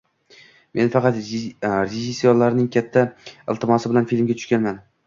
Men faqat rejissyorlarning katta iltimosi bilan filmga tushganman.